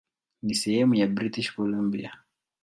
Ni sehemu ya British Columbia.